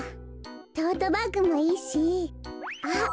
トートバッグもいいしあっ